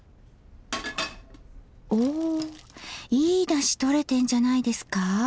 おいいだしとれてんじゃないですか。